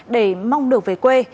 để mong được về quê